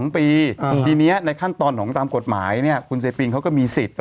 ๒ปีทีนี้ในขั้นตอนของตามกฎหมายเนี่ยคุณเซปิงเขาก็มีสิทธิ์